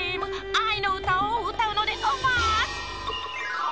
あいのうたをうたうのでオマス！